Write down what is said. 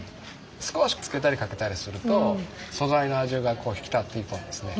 少しつけたりかけたりすると素材の味が引き立っていくんですね。